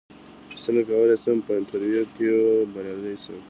څنګه کولی شم په انټرویو کې بریالی شم